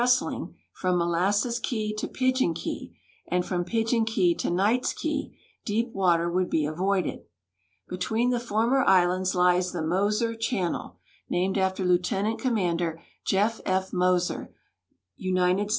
stling from Molasses Key to Pigeon Key, and from Pigeon Key to Knights Key, deep water would l)e avoided. Between the former islands lies the Moser cliannel, named after Lieut. Comdr. .Jeff. F. Moser, U. S.